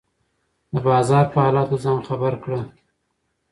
د بازار په حالاتو ځان خبر کړه.